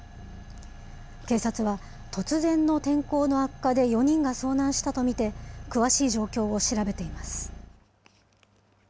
警察は、突然の天候の悪化で４人が遭難したと見て詳しい状況を調べています。